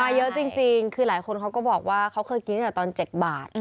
เยอะจริงคือหลายคนเขาก็บอกว่าเขาเคยกินตั้งแต่ตอน๗บาท